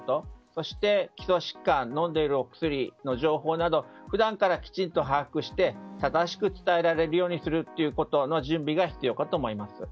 そして、基礎疾患や飲んでいるお薬の情報など普段からきちんと把握して正しく伝えられるようにする準備が必要かと思います。